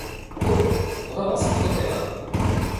Oh ! Vraiment, c’est trop aimable.